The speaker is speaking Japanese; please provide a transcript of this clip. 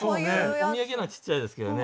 お土産のはちっちゃいですけどね。